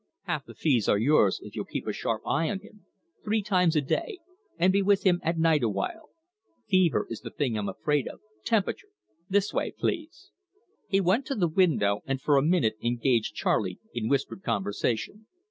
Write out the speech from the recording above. Half the fees are yours if you'll keep a sharp eye on him three times a day, and be with him at night a while. Fever is the thing I'm afraid of temperature this way, please!" He went to the window, and for a minute engaged Charley in whispered conversation.